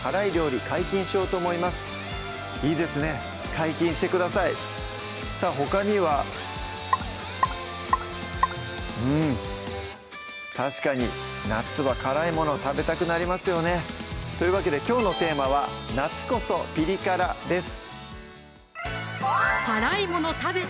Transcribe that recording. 解禁してくださいさぁほかにはうん確かに夏は辛いもの食べたくなりますよねというわけできょうのテーマは「夏こそピリ辛！」です